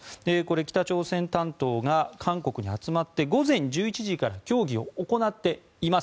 北朝鮮担当が韓国に集まって午前１１時から協議を行っています。